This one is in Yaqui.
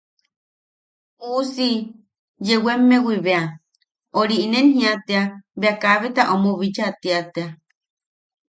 Uusi yewemmewi bea... ori... nien jia tea bea kabeta omo bicha tia tea.